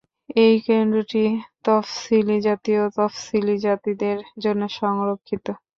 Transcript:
এই কেন্দ্রটি তফসিলি জাতি ও তফসিলী জাতিদের জন্য সংরক্ষিত।